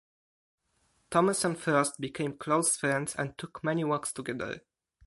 Thomas and Frost became close friends and took many walks together.